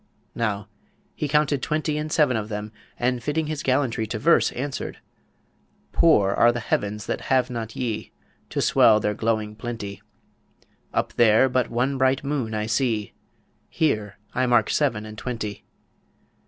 Now, he counted twenty and seven of them, and, fitting his gallantry to verse, answered: Poor are the heavens that have not ye To swell their glowing plenty; Up there but one bright moon I see, Here mark I seven and twenty.